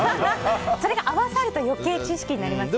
それが合わさると余計、知識になりますよね。